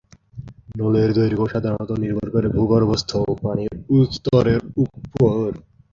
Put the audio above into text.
নলের দৈর্ঘ্য সাধারণত নির্ভর করে ভূগর্ভস্থ পানির স্তরের উপর।